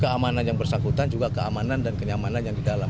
keamanan yang bersangkutan juga keamanan dan kenyamanan yang di dalam